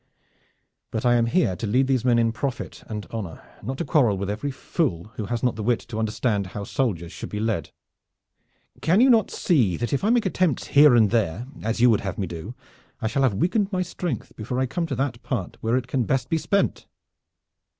But I am here to lead these men in profit and honor, not to quarrel with every fool who has not the wit to understand how soldiers should be led. Can you not see that if I make attempts here and there, as you would have me do, I shall have weakened my strength before I come to that part where it can best be spent?"